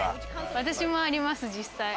私もあります、実際。